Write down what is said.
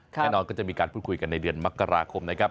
แน่นอนก็จะมีการพูดคุยกันในเดือนมกราคมนะครับ